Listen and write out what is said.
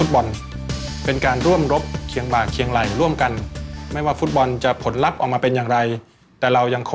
ชื่อปราปไตจักรเนี่ยเป็นชื่อของช้างศึกของพระเอกาทศรษฐ์ชื่อว่าเจ้าพระยาปราปไตจักร